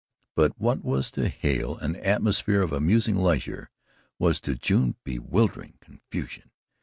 But what was to Hale an atmosphere of amusing leisure was to June bewildering confusion.